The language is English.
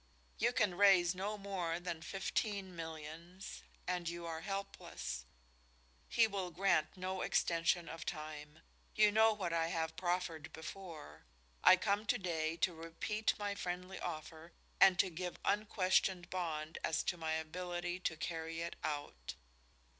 You can raise no more than fifteen millions and you are helpless. He will grant no extension of time. You know what I have proffered before. I come to day to repeat my friendly offer and to give unquestioned bond as to my ability to carry it out.